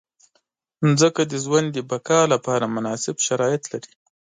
مځکه د ژوند د بقا لپاره مناسب شرایط لري.